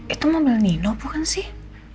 itu mobil nino bukan sih